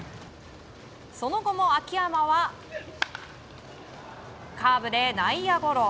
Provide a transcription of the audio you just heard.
その後も、秋山はカーブで内野ゴロ。